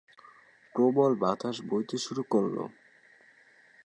প্রবল বাতাস বইতে শুরু করল!